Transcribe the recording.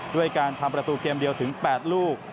ด้วยการทำประตูเกมเดียวถึง๘ลูก